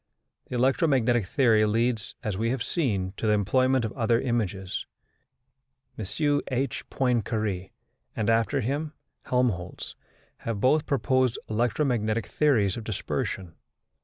The electromagnetic theory leads, as we have seen, to the employment of other images. M.H. Poincaré, and, after him, Helmholtz, have both proposed electromagnetic theories of dispersion.